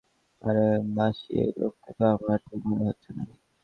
আরে মাসি এই লোককে তো আমার ঠিক মনে হচ্ছে না।